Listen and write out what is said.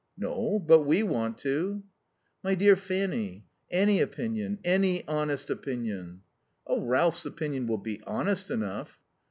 "No, but we want to." "My dear Fanny, any opinion, any honest opinion " "Oh, Ralph's opinion will be honest enough."